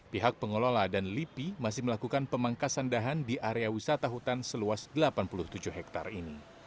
pihak pengelola dan lipi masih melakukan pemangkasan dahan di area wisata hutan seluas delapan puluh tujuh hektare ini